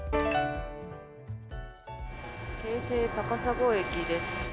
京成高砂駅です。